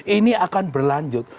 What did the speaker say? ini akan berlanjut